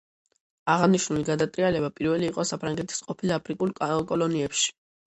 აღნიშნული გადატრიალება პირველი იყო საფრანგეთის ყოფილ აფრიკულ კოლონიებში.